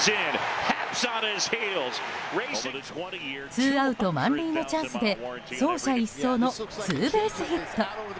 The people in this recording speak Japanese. ツーアウト満塁のチャンスで走者一掃のツーベースヒット。